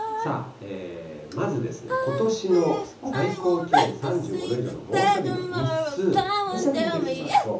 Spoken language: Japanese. まずですね、ことしの最高気温３５度以上の猛暑日の日数を見てみましょう。